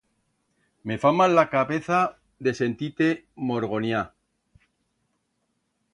Me fa mal a capeza de sentir-te morgoniar!